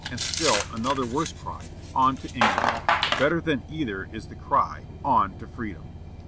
and still another worse cry, 'On to England!' Better than either is the cry, 'On to freedom!'"